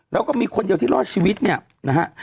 แล้วก็มีคนเดียวที่รอดชีวิตเนี่ยนะฮะ